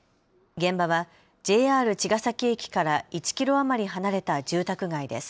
現場はＪＲ茅ヶ崎駅から１キロ余り離れた住宅街です。